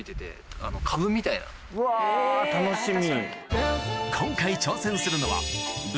うわ楽しみ。